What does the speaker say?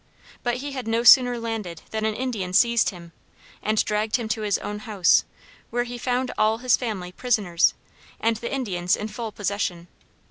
But he had no sooner landed than an Indian seized him, and dragged him to his own house, where he found all his family prisoners, and the Indians in full possession.